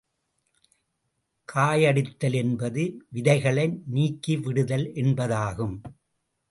காயடித்தல் என்பது விதைகளை நீக்கிவிடுதல் என்பதாகும்.